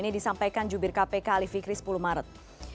ini disampaikan jubir kpk ali fikri sepuluh maret